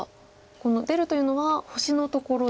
出るというのは星のところですね。